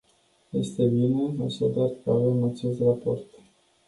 Este bine, așadar, că avem acest raport.